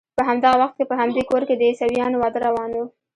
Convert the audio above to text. په همدغه وخت کې په همدې کور کې د عیسویانو واده روان و.